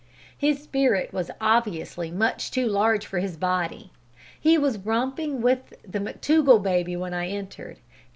His spirit was obviously much too large for his body. He was romping with the McTougall baby when I entered.